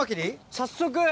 早速。